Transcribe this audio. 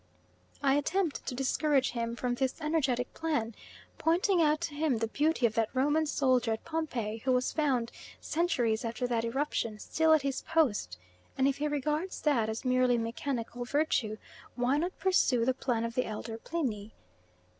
I attempt to discourage him from this energetic plan, pointing out to him the beauty of that Roman soldier at Pompeii who was found, centuries after that eruption, still at his post; and if he regards that as merely mechanical virtue, why not pursue the plan of the elder Pliny?